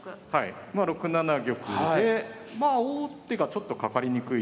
まあ６七玉で王手がちょっとかかりにくい。